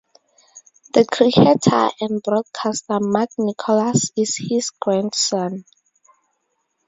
The cricketer and broadcaster Mark Nicholas is his grandson.